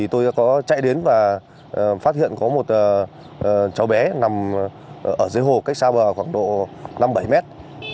tôi có chạy đến và phát hiện có một cháu bé nằm ở dưới hồ cách xa bờ khoảng độ năm bảy mét